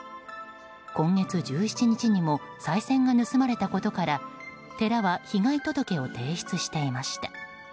今月１７日にもさい銭が盗まれたことから寺は被害届を提出していました。